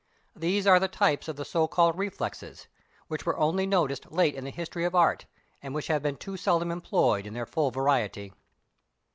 These are the types of the so called reflexes, which were only noticed late in the history of art, and which have been too seldom employed in their full variety.